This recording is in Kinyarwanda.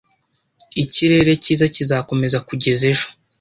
Ikirere cyiza kizakomeza kugeza ejo?